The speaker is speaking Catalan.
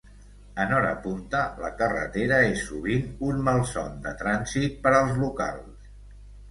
En hora punta, la carretera és sovint un malson de trànsit per als locals.